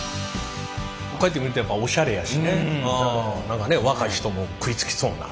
こうやって見るとやっぱおしゃれやしね何かね若い人も食いつきそうな。